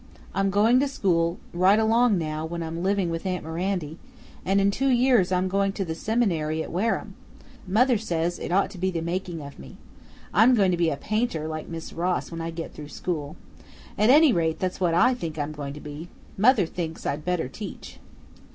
I'm going to school right along now when I'm living with aunt Mirandy, and in two years I'm going to the seminary at Wareham; mother says it ought to be the making of me! I'm going to be a painter like Miss Ross when I get through school. At any rate, that's what I think I'm going to be. Mother thinks I'd better teach."